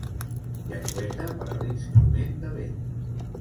Llengüeta per a l'instrument de vent.